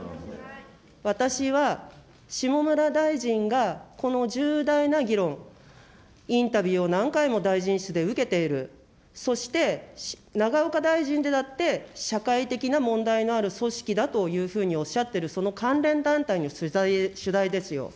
私は、下村大臣が、この重大な議論、インタビューを何回も大臣室で受けている、そして永岡大臣だって社会的な問題のある組織だというふうにおっしゃってる、その関連団体の取材ですよ。